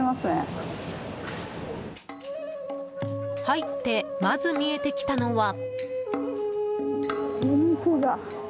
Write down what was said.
入って、まず見えてきたのは。